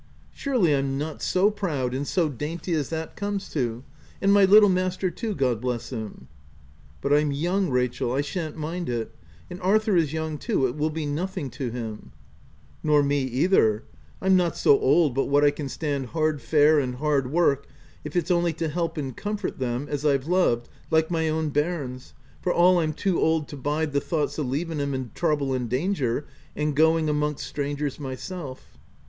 — surely I'm not so proud and so dainty as that comes to — and my little master too, God bless him ?"" But I'm young, Rachel ; I shan't mind it ; and Arthur is young too— it will be nothing to him/' " Nor me either : I'm not so old but what I can stand hard fare and hard work, if it's only to help and comfort them as Pve loved like my own barns — for all I'm too old to bide the thoughts o 5 leaving 'em in trouble and danger, and going amongst strangers myself."